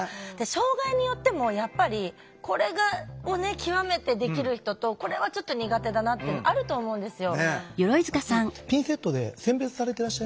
障害によってもやっぱりこれを極めてできる人とこれはちょっと苦手だなっていうのあると思うんですよ。